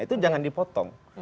itu jangan dipotong